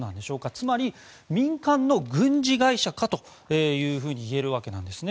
つまり民間の軍事会社かというふうに言えるわけです。